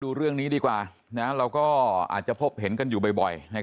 ดูเรื่องนี้ดีกว่าเราก็อาจจะพบเห็นกันอยู่บ่อย